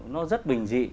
nó rất bình dị